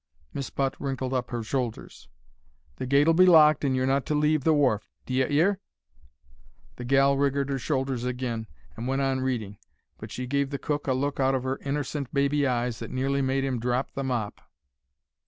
"Miss Butt wrinkled up 'er shoulders. "'The gate'll be locked, and you're not to leave the wharf. D'ye 'ear?' "The gal wriggled 'er shoulders agin and went on reading, but she gave the cook a look out of 'er innercent baby eyes that nearly made 'im drop the mop.